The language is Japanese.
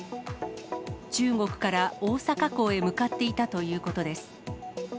中国から大阪港へ向かっていたということです。